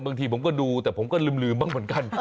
บางทีผมก็ดูแต่ผมก็ลืมบ้างเหมือนกัน